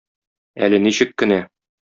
Әле ничек кенә!